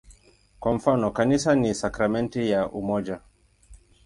Kwa mfano, "Kanisa ni sakramenti ya umoja".